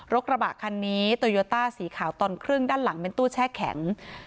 กระบะคันนี้โตโยต้าสีขาวตอนครึ่งด้านหลังเป็นตู้แช่แข็ง